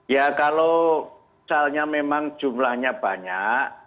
ya kalau misalnya memang jumlahnya banyak